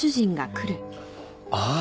ああ。